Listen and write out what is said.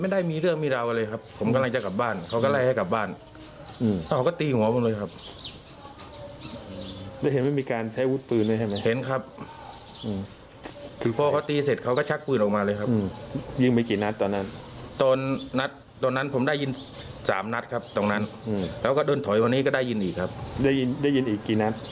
แล้วก็โดนถอยวันนี้ก็ได้ยินอีกครับได้ยินอีกกี่นัด